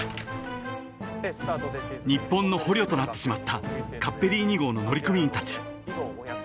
［日本の捕虜となってしまったカッペリーニ号の乗組員たち］